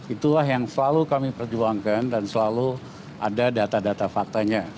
itulah yang selalu kami perjuangkan dan selalu ada data data faktanya